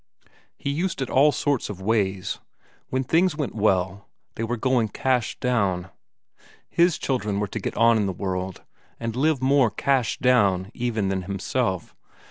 He used it all sorts of ways. When things went well, they were going "cash down." His children were to get on in the world, and live more "cash down" even than himself.